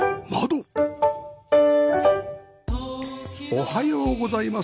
おはようございます。